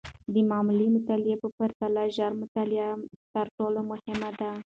د معمولي مطالعې په پرتله، ژوره مطالعه تر ټولو مهمه ده.